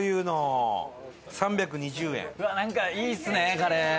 なんかいいっすねカレー。